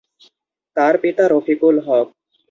তার পিতা রফিকুল হক।